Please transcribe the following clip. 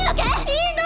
いいの！